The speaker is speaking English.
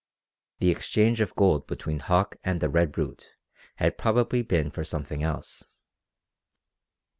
The exchange of gold between Hauck and the Red Brute had probably been for something else.